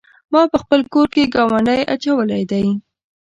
ما په خپل کور کې ګاونډی اچولی دی.